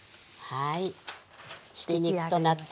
はい。